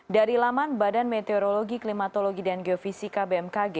dari laman badan meteorologi klimatologi dan geofisika bmkg